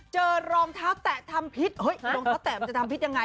เจอรองเท้าแตะทำพิษเฮ้ยรองเท้าแตะมันจะทำพิษยังไง